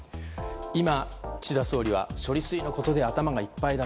今、岸田総理は処理水のことで頭がいっぱいだ。